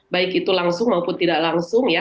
baik itu langsung maupun tidak langsung ya